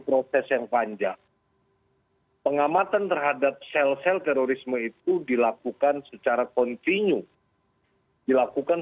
proses yang panjang pengamatan terhadap sel sel terorisme itu dilakukan secara kontinu dilakukan